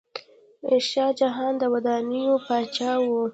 شاه جهان د ودانیو پاچا و.